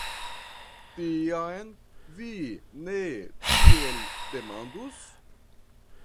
Tiam vi ne tiel demandus?